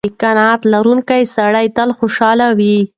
قناعت لرونکی سړی تل خوشحاله وي.